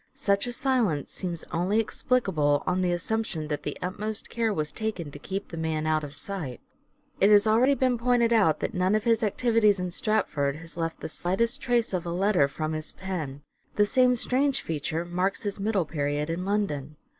Such a silence seems only explicable on the assumption that the utmost care was taken to keep the man out of sight. It has already been pointed out that none of his The silence activities in Stratford has left the slightest trace of Shakspere! a letter from his pen. The same strange feature marks his middle period in London.